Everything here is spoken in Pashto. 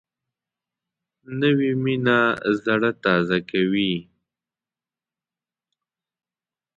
نوې مینه زړه تازه کوي